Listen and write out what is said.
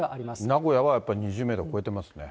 名古屋はやっぱり、２０メートルを超えてますね。